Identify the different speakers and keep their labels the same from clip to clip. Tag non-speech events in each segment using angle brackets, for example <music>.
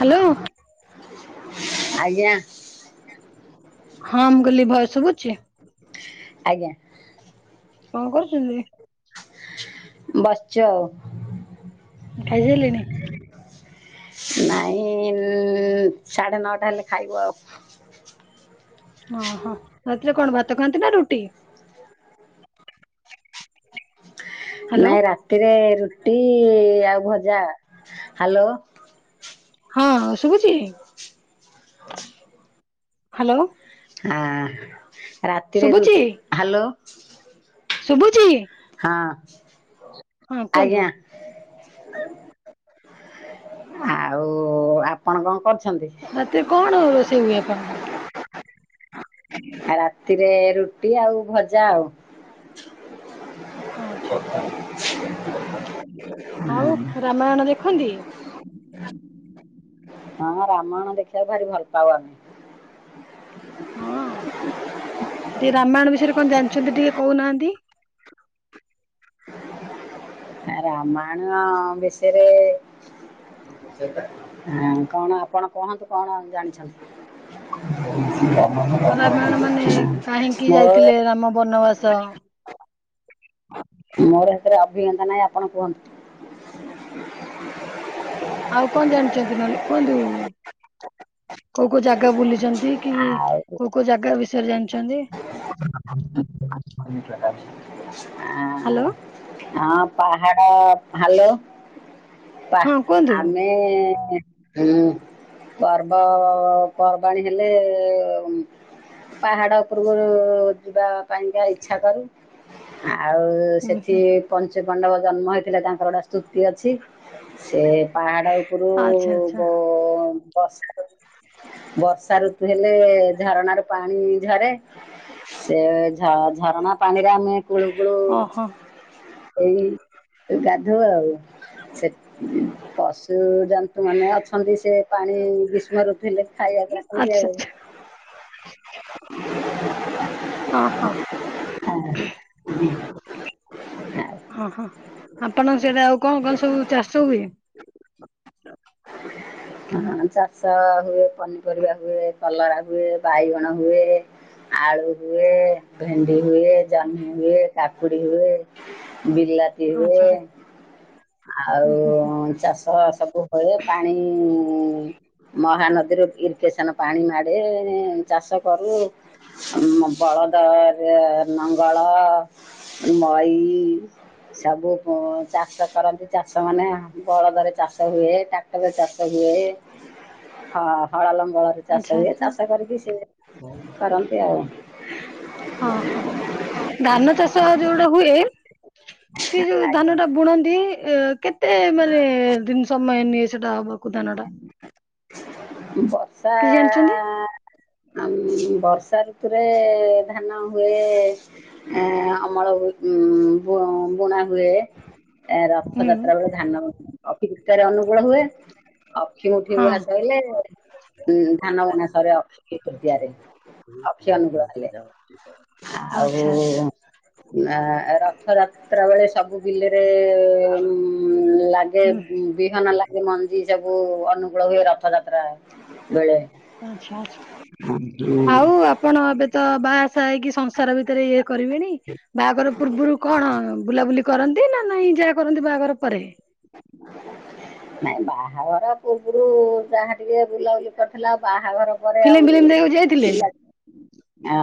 Speaker 1: Hello.
Speaker 2: ଆଜ୍ଞା।
Speaker 1: ହଁ ମୁଁ କହିଲି ଭଏସେ ଶୁଭୁଚି।
Speaker 2: ଆଜ୍ଞା।
Speaker 1: କଣ କରୁଚନ୍ତି?
Speaker 2: ବସିଚି ଆଉ।
Speaker 1: ଖାଇ ସାରିଲେନି।
Speaker 2: ନାଇଁ ସାଢେ ନଅଟା ହେଲେ ଖାଇବୁ ଆଉ।
Speaker 1: ଅ ହ ରାତିରେ କଣ ଭାତ ଖାଆନ୍ତି ନା ରୁଟି? ହ୍ୟାଲୋ
Speaker 2: ନାଇଁ ରାତିରେ ରୁଟି ଆଉ ଭଜା ହ୍ୟାଲୋ।
Speaker 1: ହଁ ଶୁଭୁଚି ହ୍ୟାଲୋ।
Speaker 2: ହାଁ ରାତିରେ ରୁ ହାଲୋ।
Speaker 1: ଶୁଭୁଚି।
Speaker 2: ହଁ
Speaker 1: କୁହନ୍ତୁ
Speaker 2: ଆଜ୍ଞା। ଆଉ ଆପଣ କଣ କରୁଛନ୍ତି?
Speaker 1: ରାତିରେ କଣ ରୋଷେଇ ହୁଏ ଆପଣଙ୍କର?
Speaker 2: ରାତିରେ ରୁଟି ଆଉ ଭଜା ଆଉ।
Speaker 1: ଆଚ୍ଛା ଆଚ୍ଛା। ଆଉ ରାମାୟଣ ଦେଖନ୍ତି?
Speaker 2: ହଁ ରାମାୟଣ ଦେଖିବାକୁ ଭାରି ଭଲ ପାଉ ଆମେ।
Speaker 1: ହଁ ଟିକେ ରାମାୟଣ ବିଷୟରେ କଣ ଜାଣିଚନ୍ତି ଟିକେ କହୁନାହାନ୍ତି?
Speaker 2: ଆ ରାମାୟଣ ବିଶୟରେ ଆଁ କଣ ଆପଣ କୁହନ୍ତୁ କଣ ଜାଣିଛନ୍ତି?
Speaker 1: ରାମାୟଣ ମାନେ କାହିଁକି
Speaker 2: ମୋର
Speaker 1: ଯାଇଥିଲେ ରାମ ବନବାସ?
Speaker 2: ମୋର ଏଥେରେ ଅଭିଜ୍ଞତା ନାହିଁ ଆପଣ କୁହନ୍ତୁ।
Speaker 1: ଆଉ କଣ ଜାଣିଚନ୍ତି ନହେଲେ କୁହନ୍ତୁ? କୋଉ କୋଉ ଜାଗା ବୁଲିଛନ୍ତି କି
Speaker 2: ଆଉ
Speaker 1: କୋଉ କୋଉ ଜାଗା ବିଷୟରେ ଜାଣିଛନ୍ତି? ହ୍ୟାଲୋ
Speaker 2: <unintelligible> ହଁ ପାହାଡ଼ ହାଲୋ
Speaker 1: ହଁ କୁହନ୍ତୁ
Speaker 2: ଆମେ ପର୍ବ ପର୍ବାଣିୀ ହେଲେ ପାହାଡ ଉପରକୁ ଯିବା। ପାଇଁକା ଇଚ୍ଛା କରୁ ଆଉ
Speaker 1: ହୁଁ
Speaker 2: ସେଠି
Speaker 1: ହୁଁ
Speaker 2: ପଞ୍ଚୁ ପାଣ୍ଡବ ଜନ୍ମ ହେଇଥିଲେ ତାଙ୍କର ଗୋଟେ ସ୍ତୁତି ଅଛି ସେ ପାହାଡ ରୁ
Speaker 1: ଆଚ୍ଛା ଆଚ୍ଛା
Speaker 2: ବ ବସ୍ ବର୍ଷା ଋତୁ ହେଲେ ଝରଣାରୁ ପାଣି ଝରେ। ସେ ଝରଣା ପାଣିରେ ଆମେ କୁଳୁ ଗୁଳୁ
Speaker 1: ଓହୋ
Speaker 2: ଏଇ ଗାଧଉ ଆଉ ସେ ପଶୁ ଜ ନ୍ତୁ ମାନେ ଅଛନ୍ତି ସେ ପାଣି ଗ୍ରୀଷ୍ମ ଋତୁ ଥିଲେ ଖାଇବାକୁ ଆସନ୍ତି
Speaker 1: ଆଚ୍ଛା
Speaker 2: ଆଉ
Speaker 1: ଆଚ୍ଛା <unintelligible> ହଁ ହଁ ଆପଣଙ୍କ ସେଟା ଆଉ କଣ କଣ ସବୁ ଚାଷ ହୁଏ?
Speaker 2: ହଁ ଚାଷ ହୁଏ ପନିପରିବା ହୁଏ। କଲରା ହୁଏ ବାଇଗଣ ହୁଏ ଆଳୁ ହୁଏ ଭେଣ୍ଡି ହୁଏ। ଜହ୍ନି ହୁଏ କାକୁଡି ହୁଏ ବିଲାତି
Speaker 1: ଆଚ୍ଛା
Speaker 2: ହୁଏ।
Speaker 1: ଆଚ୍ଛା
Speaker 2: ଆଉ
Speaker 1: ହୁଁ ହୁଁ ହୁଁ
Speaker 2: ଚାଷ ସବୁ ହୁଏ ପାଣି ମହାନଦୀ ମଦିରୁ ଇରଗେସନ ପାଣି ମାଡ଼େ ଚାଷ କରୁ। ବଳଦ ରେ ଲଙ୍ଗଳ ମଈ ସବୁ ଚାଷ କରନ୍ତି ଚାଷମାନେ ବଳଦରେ ଚାଷ ହୁଏ ଟ୍ରାକ୍ଟର ଚାଷ ହୁଏ। ହଁ ହଳ ଲଙ୍ଗଳରେ
Speaker 1: ଆଚ୍ଛା
Speaker 2: ଚାଷ ହୁଏ
Speaker 1: ଆଚ୍ଛା
Speaker 2: ଚାଷ କରିକି ସେ କରନ୍ତି ଆଉ।
Speaker 1: ହ ଧାନ ଚାଷ ଯୋଉ ଗୋଟା ହୁଏ ସିଏ ଯୋଉ ଧାନ
Speaker 2: ଆଜ୍ଞା
Speaker 1: ଟା ବୁଣନ୍ତି ଏ କେତେ ମାନେ ଦିନ ସମୟ ନିଏ ସେଟା ହବାକୁ ଧାନଟା
Speaker 2: ବର୍ଷା
Speaker 1: କିଛି ଜାଣିଛନ୍ତି
Speaker 2: ଆ ବର୍ଷାଋତୁରେ ଧାନ ହୁଏ ଆ ଅମଳ ବୁ ବୁଣା ହୁଏ
Speaker 1: ହୁଁ
Speaker 2: ରଥଯାତ୍ରା ବେଳେ ଧାନ ଅକ୍ଷୟତୃତୀୟା ରେ ଅନୁକୂଳ ହୁଏ। ଅକ୍ଷି ମୁଠି
Speaker 1: ହଁ
Speaker 2: ନୂଆ ସୋଇଲେ ଧାନ ବଣାସରେ ଅକ୍ଷୀ ତୃତୀୟାରେ। ଅକ୍ଷୀ ଅନୁକୁଳ ହୁଏ ଆଉ
Speaker 1: ଆଚ୍ଛା ଆଚ୍ଛା
Speaker 2: ଆ ରଥଯାତ୍ରା ବେଳେ ସବୁ ବିଲରେ ଲା ଏ
Speaker 1: ହୁଁ
Speaker 2: ବିହନ ଲାଗେ ମଞ୍ଜି ସବୁ ଅନୁକୂଳ ହୁଏ ରଥଯାତ୍ରା ବେଳେ
Speaker 1: ଆଚ୍ଛା ଆଛା
Speaker 2: ହୁଁ
Speaker 1: ଆଉ ଆପଣ ଏବେ ତ ବାହାସାହା ହେଇକି ସଂସାର ଭିତରେ ଇଏ କରିବେଣି ବାହାଘର ପୂର୍ବରୁ କଣ ବୁଲାବୁଲି କରନ୍ତି ନା ନାଇଁ ଯାହା କରନ୍ତି ବାହାଘର ପରେ?
Speaker 2: <inaudible> ନାଇଁ ବାହାଘର ପୂର୍ବରୁ ଯାହା ଟିକେ ବୁଲାବୁଲି କରିଥିଲା ଆଉ ବାହାଘର ପରେ
Speaker 1: ଫିଲ୍ମ ଫିଲ୍ମ
Speaker 2: ଆଉ
Speaker 1: ଦେଖିବାକୁ ଯାଇଥିଲେ?
Speaker 2: ଆ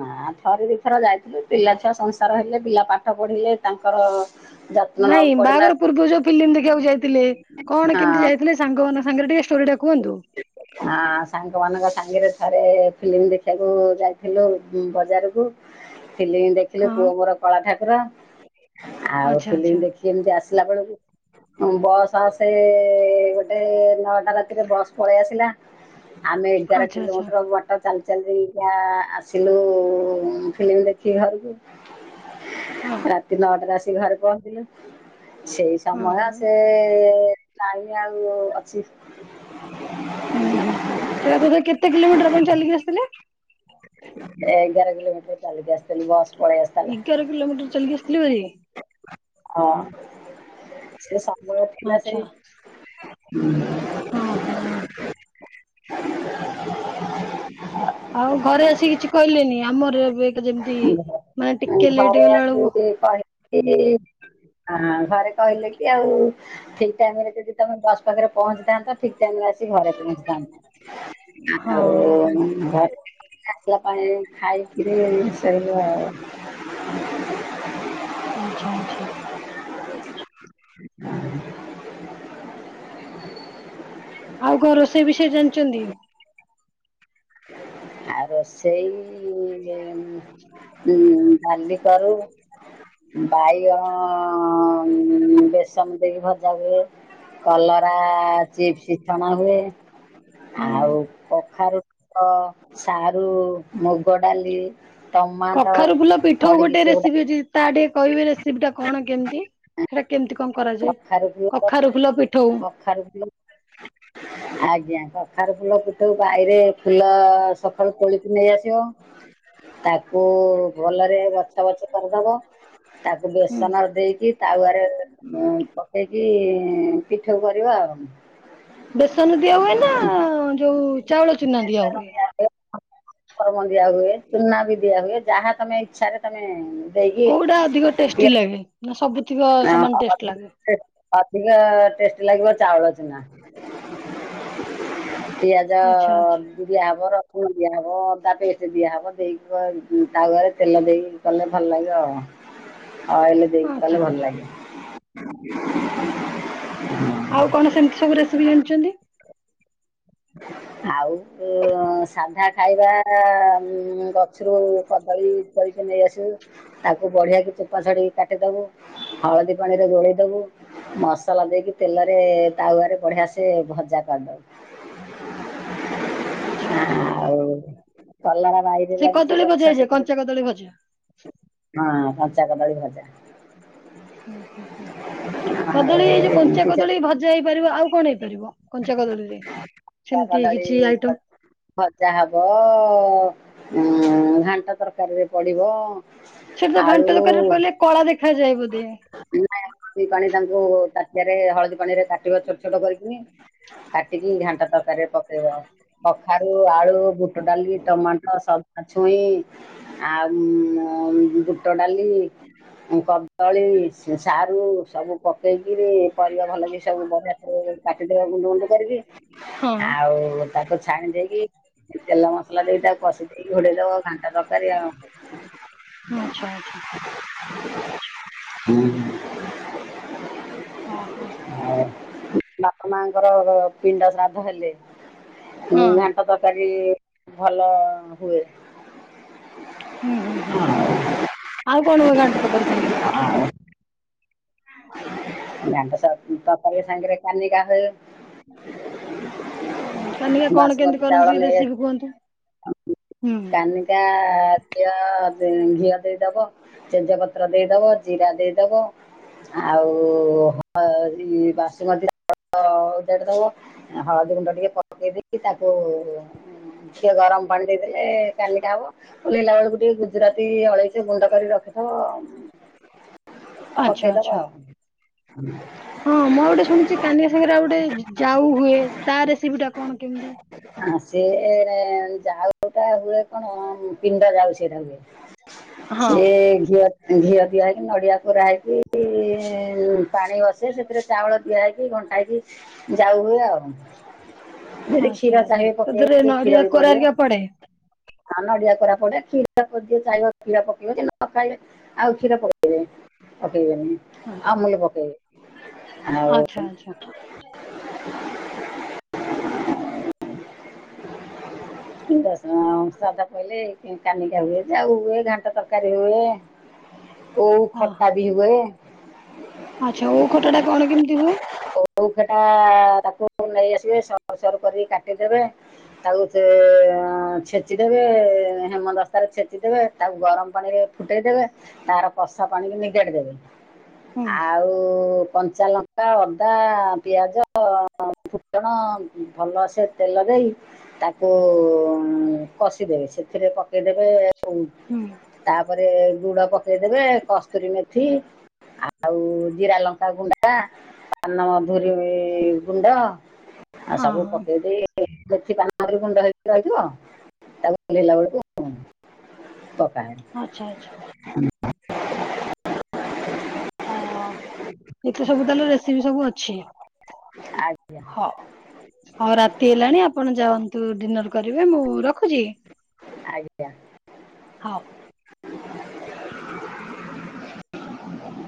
Speaker 2: ମା ଥରେ ଦୁଇ ଥର ଯାଇଥିଲୁ ପିଲା ଛୁଆ ସଂସାର ହେଲେ ପିଲା ପାଠ ପଢିଲେ ତାଙ୍କର ଯତ୍ନ
Speaker 1: ନାଇଁ
Speaker 2: ନେବାକୁ ପଡିଲା
Speaker 1: ବାହାଘରପୂର୍ବରୁ ଯଉ ଫିଲ୍ମ ଦେଖିବାକୁ ଯାଇଥିଲେ କଣ କେମିତି
Speaker 2: ହଁ
Speaker 1: ଯାଇଥିଲେ ସାଙ୍ଗମାନଙ୍କ ସାଙ୍ଗରେ ଟିକେ ଷ୍ଟୋରି ଟା କୁହନ୍ତୁ?
Speaker 2: ଆ ସାଙ୍ଗମାନଙ୍କ ସାଙ୍ଗରେ ଥରେ ଫିଲ୍ମ ଦେଖିବାକୁ ଯାଇଥିଲୁ ବଜାରକୁ। ଫିଲ୍ମି ଦେଖି ଦେଖିଲି
Speaker 1: ହଁ
Speaker 2: ପୁଅ ମୋର କଳା ଠାକୁର ଆଉ
Speaker 1: ଆଚ୍ଛା
Speaker 2: ଫିଲ୍ମ
Speaker 1: ଆଚ୍ଛା
Speaker 2: ଦେଖି ଏମିତି ଆସିଲା ବେଳକୁ ହ ବସ୍ ଆସେ ଗୋଟେ ନଅଟା ରାତିରେ ବସ୍ ପଳେଇବା ଆମେ ଏଗାର
Speaker 1: ଆଚ୍ଛା ଆଚ୍ଛା
Speaker 2: କିଲୋମିଟର ଚାଲି ଚାଲି ଆସିଲୁ ଫିଲ୍ମ ଦେଖି ଘରକୁ <inaudible>
Speaker 1: ହୁଁ।
Speaker 2: ରାତି ନଅଟାରେ ଆସିିକି ଘରେ ପହଞ୍ଚିଲେ ସେଇ
Speaker 1: ହଁ
Speaker 2: ସନମା
Speaker 1: ହଁ।
Speaker 2: ସେ ନାଇଁ ଆଉ ଅଛି।
Speaker 1: ହୁଁ ହୁଁ ହୁ ସେଇଟା କେତେ କିଲୋମିଟର ଆପଣ ଚାଲିକି ଆସିଥିଲେ।
Speaker 2: ଏଗାର କିଲୋମିଟର ଚାଲିକି ଆସିଲି।
Speaker 1: ଏଗାର କିଲୋମିଟର ଚାଲିକି ଆସିଥିଲ ଵେଲି।
Speaker 2: ହଁ ସେଶ ମୋର ଥିଲା
Speaker 1: ଆଚ୍ଛା
Speaker 2: ସେଇ
Speaker 1: ହଁ ହଁ ଆଉ ଘରେ ଆସିିକି କିଛି କହିଲେନି ଆମର ଏବେ ଯେମିତି ମାନେ ଟିକେ ଲେଟ୍ ହେଇଗଲା ବେଳକୁ
Speaker 2: କି ଘରେ କହିଲେ କି ଆଉ ଠିକ ଟାଇମ ରେ ଯଦି ତମେ ବସ୍ ପାଖରେ ପହଞ୍ଚିଥାନ୍ତ ଠିକ ଟାଇମ ରେ ଆସିି ଘରେ
Speaker 1: ହଁ
Speaker 2: ପହଞ୍ଚିଥାନ୍ତ।
Speaker 1: ହଁ ହଁ
Speaker 2: ଆଉ ଘରେ ପାଣିରେ ଖାଇ କିରିଶେଇବ।
Speaker 1: ଆଚଛା ଆଚଛା।
Speaker 2: ସେ
Speaker 1: ଆଉକଣ ରୋଷେଇ ବିଷୟରେ ଜାଣିଚନ୍ତି?
Speaker 2: ଆ ରୋଷେ ଉଁ ଡାଲି କରୁ
Speaker 1: <inaudible>
Speaker 2: ବାଇଗଣ ବେସନ ଦେଇକି ଭଜା ହୁଏ। କଲରା ଚିପ୍ ସିଛଣା ହୁଏ
Speaker 1: ହୁଁ
Speaker 2: ଆଉ କଖାରୁ। ସାରୁ ମୁଗ ଡାଲି। ଟମାଟୋ
Speaker 1: କଖାରୁ ଫୁଲ ପିଠଉ
Speaker 2: ପଡିକି
Speaker 1: ଗୋଟେ
Speaker 2: ସେ
Speaker 1: ରେସିପି ଜିଟି। ତା ଟିକେ କହିବେ ରେସିପି ଟା କଣ କେମିତି ସେଟା କେମିତି କଣ କରାଯାଏ କଖାରୁ ଫୁଲ ପିଠଉ?
Speaker 2: ଖାରୁଫୁଲ। ଆଜ୍ଞା କଖାରୁ ଫୁଲ ବାାଇରେ ଫୁଲ ସକାଳୁ ତୋଳି କି ନେଇ ଆସିବ। ତାକୁ ଭଲରେ ବଛା ବଛି କରିଦବ। ତାକୁ
Speaker 1: ହୁଁ।
Speaker 2: ବେସନ ଦେଇକି ତାୱରେ ପକେଇକି ପିଠଉ କରିବା ଆଉ।
Speaker 1: ବେସନ ଦିଆ ହୁଏ ନା ଯୋଉ ଚାଉଳ ଚୁନା ଦିଆ
Speaker 2: ବେସନ
Speaker 1: ହୁଏ?
Speaker 2: ଦିଆହୁଏ କର୍ମ ଦିଆ ହୁଏ ଚୁନା ବି ଦିଆ ହୁଏ ଯାହା ତମେ ଇଚଛାରେ ତମେ ଦେଇକି
Speaker 1: କୋଉଟା ଅଧିକ ଟେଷ୍ଟି ଲାଗେ? ନା ସବୁଥିକ ସମାନ ଟେଷ୍ଟ ଲାଗେ?
Speaker 2: ଅଧିକ ଟେଷ୍ଟ ଲାଗିବ ଚାଉଳ ଚୁନା।
Speaker 1: <inaudible>
Speaker 2: ପିଆଜ।
Speaker 1: ଆଚ୍ଛା ଆଚ୍ଛା
Speaker 2: ଦିଆ ହବ ରସୁଣ ଦିଆହବ ଅଦା ପେଷ୍ଟ ଦିଆହବ ଦେଇକି ତାୱ୍ୱାରେ ତେଲ ଦେଇ ଗଲେ ଭଲ ଲାବିବ ଅଏଲେ
Speaker 1: ଆଚ୍ଛା
Speaker 2: କଲେ ଭଲ
Speaker 1: ଆଚ୍ଛା
Speaker 2: ଲାଗେ।
Speaker 1: ଆଉ କଣ ସେମିତି ସବୁ ରେସିପି ଜାଣିଚନ୍ତି?
Speaker 2: ହଁ। ଆଉ ସାଧା ଖାଇବା ଗଛରୁ କଦଳୀ। କରିକି ନେଇ ଆସିବୁ ତାକୁ ବଢିଆ କି ଚୋପା ଛଡିକି କାଟିଦବୁ ହଳଦୀ ପାଣିରେ ଗୋଳେଇଦବୁ ମସଲା ଦେଇକି ତେଲରେ ତାୱରେ ବଢିଆ ସେ ଭଜା କରିଦବୁ। <inaudible>
Speaker 1: ଆଚ୍ଛା ଆଛା
Speaker 2: ଆଉ କଲରା ବାଇରେ
Speaker 1: ସେ
Speaker 2: ଲାଗିଛି
Speaker 1: କଦଳୀ
Speaker 2: ଗଛ
Speaker 1: ଭଜା ହେଇଯେ
Speaker 2: ସେଥିରୁ
Speaker 1: କଞ୍ଚା କଦଳୀ ଭଜା।
Speaker 2: ହଁ କଞ୍ଚା କଦଳ ଭଜା।
Speaker 1: ହୁଁ ହୁଁ ହୁଁ କଦଳୀ ଏଇ
Speaker 2: ଆଉ
Speaker 1: ଯୋଉ କଞ୍ଚା
Speaker 2: ଏମିତି ସେ
Speaker 1: କଦଳୀ ଭଜା ହେଇପାରିବ ଆଉ କଣ ହେଇପାରିବ? କଞ୍ଚା କଦଳୀରେ
Speaker 2: ଚା
Speaker 1: ସେମିତି
Speaker 2: କଦଳୀ
Speaker 1: କିଛି ଆଇଟମ
Speaker 2: ଭଜା ହବ ଘାଣ୍ଟ ତରକାରୀରେ ପଡିଵ।
Speaker 1: ସେ ତ ଘାଣ୍ଟ ଦରକାରିରେ ପଡ଼ିଲେ କଳା ଦେଖାଯାଏ ବୋଧେ
Speaker 2: ଦି ପାଣି ତାଙ୍କୁ ତାଟିଆରେ ହଳଦୀ ପାଣି ରେ କାଟିବା ଛୋଟ ଛୋଟ କରିକିନି ଟିକି ଘାଣ୍ଟ ତରକାରରେ ପକେଇବ। କଖାରୁ ଆଳୁ, ବୁଟ ଡାଲି, ଟମାଟୋ, ସବୁା ଛୁଇଁ ଆଉ ବୁଟ ଡାଲି କଦଳୀ, ସାରୁ, ସବୁ ପକେଇକିରି ପରିବା ଭଲ କି ସବୁ ବଢିଆ କାଟିଦବା ଗୁଣ୍ଡ ଗୁଣ୍ଡ କରିକି
Speaker 1: ହଁ।
Speaker 2: ଆଉ ତାକୁ ଛାଣି ଦେଇକି ତେଲ ମସଲା ଦେଇ ତାକୁ କଷି ଦେଇକି ଘୋଡେଇ ଦବ ଘାଣ୍ଟ ତରକାରୀ ଆଉ।
Speaker 1: ଆଛା ଆଚ୍ଛା
Speaker 2: ହୁଁ
Speaker 1: ହଁ ହଁ
Speaker 2: ଆ ବାପା ମାଆ ଙ୍କର ପିଣ୍ଡ ଶ୍ରାଦ୍ଧ ହେଲେ
Speaker 1: ହଁ
Speaker 2: ଘାଣ୍ଟ ତରକାରୀ ଭଲ ହୁଏ।
Speaker 1: ହୁଁ, ହୁଁ ହୁଁ, ଆଉ କଣ ହୁଏ ଘାଣ୍ଟ ତରକାରୀ ସାଙ୍ଗରେ?
Speaker 2: ଘାଣ୍ଟ ତରକାରୀ ସାଙ୍ଗରେ କାଲିକା ହୁଏ।
Speaker 1: ହୁଁ କାନିକା କଣ କେମିତି
Speaker 2: ବାସୁମତୀ ଚାଉଳ
Speaker 1: କରନ୍ତିୁ କି
Speaker 2: ନେଇ
Speaker 1: ବେଶୀ
Speaker 2: ଆସି
Speaker 1: ବି କୁହନ୍ତୁ ହୁଁ
Speaker 2: ଟା ଘିଅ ଘିଅ ଦେଇଦବ ତେଜ୍ ପତ୍ର ଦେଇଦବ, ଜିରା ଦେଇଦବ ଆଉ ହ ଏଇ ବାସୁମତୀ <unintelligible> ଅଜାଡ଼ି ଦବ ହଳଦୀ ଗୁଣ୍ଡ ଟିକେ ପକେଇ ଦେଇକି ତାକୁ ଟିଏ ଗରମ ପାଣି ଦେଇଦେଲେ କାଲିଟା ହବ ଓଲ୍ହେଇଲା ବେଳକୁ ଟିକେ ଗୁଜୁରାତି ଅଳେଇଚ ଗୁଣ୍ଡ କରିକି ରଖିଥିବ
Speaker 1: ଆଚ୍ଛା
Speaker 2: ପକେଇଦବ
Speaker 1: ଆଚ୍ଛା।
Speaker 2: ଆଉ
Speaker 1: ହଁ ମୁଁ ଆଉ ଗୋଟେ ଶୁଣିଛି କାନିକା ସାଙ୍ଗରେ ଆଉ ଗୋଟେ ଯାଉ ହୁଏ ତା ରେସିପି ଟା କଣ କେମିତି?
Speaker 2: ଆ ସେଏ ଯାଉଟା ହୁଏ କଣ ପିଣ୍ଡ ଯାଉ ସେଟା ହୁଏ।
Speaker 1: ହଁ।
Speaker 2: ସିଏ ଘିଅ ଘିଅ ଦିଆ ହେଇକି ନଡିଆ କୋରା ହେଇକି ପାଣି ବସେ ସେଥିରେ ଚାଉଳ ଦିଆହଇକି ଘଣ୍ଟା ହେକି ଯାଉ ହଏ ଆଉ। ଯଦି
Speaker 1: ଆଚ୍ଛା
Speaker 2: କ୍ଷୀର
Speaker 1: ଆଚ୍ଛା
Speaker 2: ଚାହିଁବେ
Speaker 1: ତା ଦେହରେ
Speaker 2: ପକେଇବାକୁ ଟେ
Speaker 1: ନଡିଆ
Speaker 2: କ୍ଷୀର ବି
Speaker 1: କୋରା
Speaker 2: ପଡିବ।
Speaker 1: ହେରିକା ପଡେ?
Speaker 2: ହ ନଡିଆ କରା ପଡେ କ୍ଷୀର ଯିଏ ଚାହିବ କ୍ଷୀର ପକେଇବ ନ ଖାଇବେ ଆଉ କ୍ଷୀର ପକେଇବେ ପକେଇବନି
Speaker 1: ହଁ।
Speaker 2: ଆଉ ଅମୁଲ ପକେଇ ଆଉ
Speaker 1: ଆଚ୍ଛା ଆଚ୍ଛା
Speaker 2: ଶଧା ପହଲେ କାନିକା ହୁଏ ଯାଉ ହୁଏ ଘାଣ୍ଟ ତରକାରୀ ହୁଏ। ଓଉ
Speaker 1: ହଁ
Speaker 2: ଖଟା
Speaker 1: ହଁ
Speaker 2: ବି ହୁଏ।
Speaker 1: ଆଚ୍ଛା ଓଉ ଖତା ଟା କଣ କେମିତି ହୁଏ?
Speaker 2: ଓଉ ଖଟା ତାକୁ ନେଇ ଆସିବେ ସରୁ ସରୁ କରି କାଟିଦେବେ ତାକୁ- ଦେ ଅ ଛେଚିଦେବେ ହେମ ଦସ୍ତାରେ ଛେଚିଦେବେ ତାକୁ ଗରମ ପାଣି ରେ ଫୁଟେଇଦେବେ। ତାର କଷା ପାଣିକି ନିଦେଡି ଦେବେ।
Speaker 1: ହୁଁ
Speaker 2: ଆଉ କଞ୍ଚାଲଙ୍କା ଅଦା ପିଆଜ ଫୁଟଣ ଭଲ ସେ ତେଲ ଦେଇ କୁ କଷିଦେବେ ସେଥିରେ ପକେଇଦେବେ ଆଉ
Speaker 1: ହୁଁ
Speaker 2: ତାପରେ ଲୁଡ ପକେଇଦେବେ କସ୍ତୁରୀ ମେଥି ଆଉ ଜିରା ଲଙ୍କା ଗୁଣ୍ଡା ପାନ ମଧୁରୀ ଗୁଣ୍ଡ ଆଉ
Speaker 1: ହଁ
Speaker 2: ସବୁ
Speaker 1: ହଁ
Speaker 2: ପକେଇ ଦେଇକି ମେଥି ମାଁର ଗୁଣ୍ଡ ହେକି ରହିିବ ତାକୁ ଓଲେଇଲା ବେଳକୁ ପକାଏ
Speaker 1: ଆଚ୍ଛା ଆଚ୍ଛା
Speaker 2: ହୁଁ
Speaker 1: ଅ ହ ଏତ ସବୁ ତାହେଲେ ରେସିପି ସବୁ ଅଛି?
Speaker 2: ଆଜ୍ଞା
Speaker 1: ହଁ ହଉ ରାତି ହେଲାଣି ଆପଣ ଯାଆନ୍ତୁ ଡିନର କରିବେ ମୁଁ ରଖୁଛି?
Speaker 2: ଆଜ୍ଞା।
Speaker 1: ହଁ।